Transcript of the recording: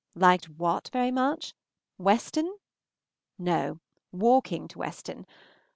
Liked what very much? Weston? No, walking to Weston.